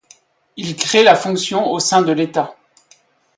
Il crée la fonction au sein de l’État.